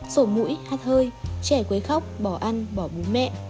sổ mũi hát hơi trẻ quấy khóc bỏ ăn bỏ bú mẹ